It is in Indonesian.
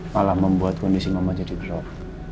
malah membuat kondisi mama jadi drop